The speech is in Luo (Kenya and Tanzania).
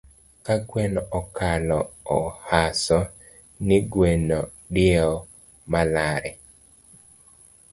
Ka gweno okalo ahosa, ni gweno diewo malare